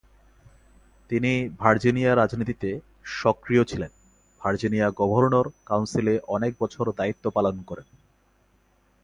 তিনি ভার্জিনিয়া রাজনীতিতে সক্রিয় ছিলেন, ভার্জিনিয়া গভর্নর কাউন্সিলে অনেক বছর দায়িত্ব পালন করেন।